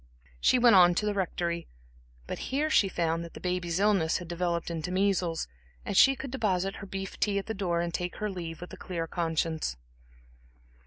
She went on to the Rectory, but here she found that the baby's illness had developed into measles, and she could deposit her beef tea at the door and take her leave with a clear conscience.